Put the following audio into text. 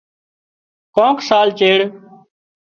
ڪانڪ سال چيڙ